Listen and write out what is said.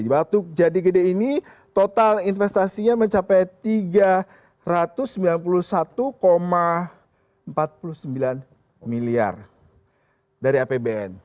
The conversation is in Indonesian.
batuk jati gede ini total investasinya mencapai tiga ratus sembilan puluh satu empat puluh sembilan miliar dari apbn